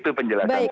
itu penjelasan saya